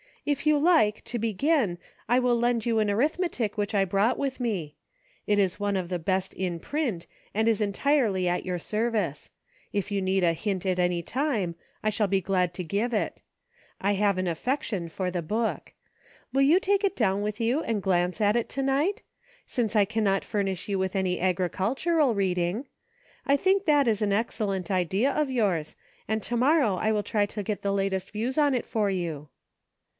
If you like, to begin, I will lend you an arithmetic which I brought with me. 138 PHOTOGRAPHS. It is one of the best in print, and is entirely at your service. If you need a hint at any time, I shall be glad to give it. I have an affection for the book. Will you take it down with you and glance at it to night ?— since I cannot furnish you with any agricultural reading. I think that is an excellent idea of yours, and to morrow I will try to get the latest views on it for you."